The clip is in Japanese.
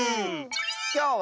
きょうは。